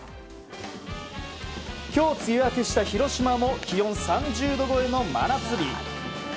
今日、梅雨明けした広島も気温３０度超えの真夏日。